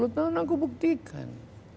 sepuluh tahun aku buktikan